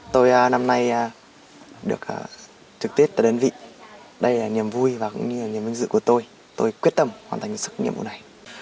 tôi năm nay được trực tết tại đơn vị đây là nhiệm vui và cũng như là nhiệm vinh dự của tôi tôi quyết tâm hoàn thành sức nhiệm vụ này